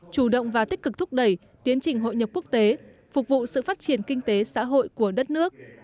chủ động và tích cực thúc đẩy tiến trình hội nhập quốc tế phục vụ sự phát triển kinh tế xã hội của đất nước